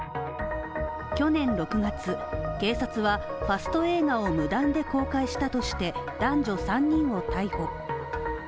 去年６月、警察はファスト映画を無断で公開したとして、男女３人を逮捕。